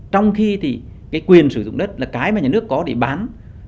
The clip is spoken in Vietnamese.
trong khi thì cái quyền sử dụng đất là cái mà nhà nước có để bán